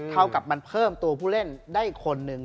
เท่ากับมันเพิ่มตัวผู้เล่นได้คนหนึ่ง